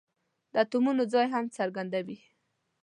د اتومونو ځای هم څرګندوي.